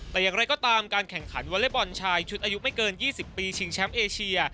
แต่อย่างไรก็ตามการแข่งขันวอเล็กบอลชายชุดอายุไม่เกิน๒๐ปีชิงแชมป์เอเชีย